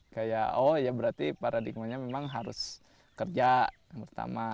kayak oh ya berarti paradigmanya memang harus kerja yang pertama